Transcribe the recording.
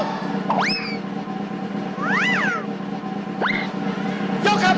ยกครับ